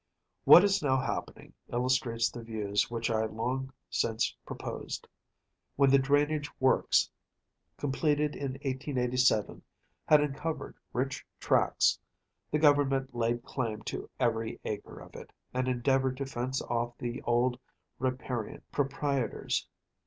What is now happening illustrates the views which I long since proposed. When the drainage works, completed in 1887, had uncovered rich tracts, the Government laid claim to every acre of it, and endeavored to fence off the old riparian proprietors.